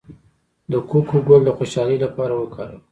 د کوکو ګل د خوشحالۍ لپاره وکاروئ